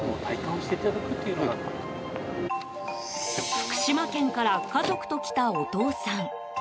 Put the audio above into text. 福島県から家族と来たお父さん。